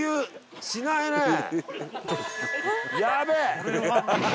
やべえ！